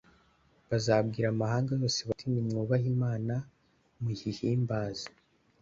Bazabwira amahanga yose bati Nimwubahe Imana muyihimbaze